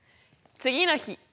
次の日。